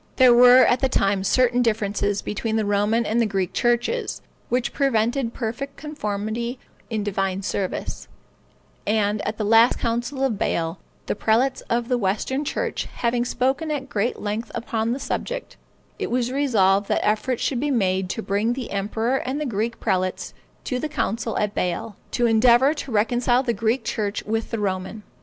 There were at that time certain differences between the Roman and the Greek churches, which prevented perfect conformity in divine service; and at the last council of Bâle, the prelates of the Western church having spoken at great length upon the subject, it was resolved that efforts should be made to bring the emperor and the Greek prelates to the council at Bâle, to endeavor to reconcile the Greek church with the Roman.